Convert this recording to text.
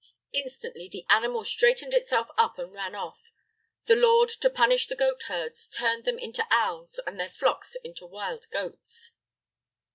"Instantly the animal straightened itself up and ran off. The Lord, to punish the goat herds, turned them into owls and their flocks into wild goats."